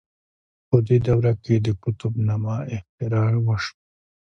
په دې دوره کې د قطب نماء اختراع وشوه.